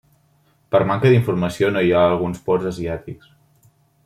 Per manca d'informació no hi ha alguns ports asiàtics.